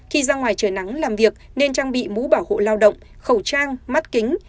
khi ra ngoài trời nắng làm việc nên trang bị mũ bảo hộ lao động khẩu trang mát kính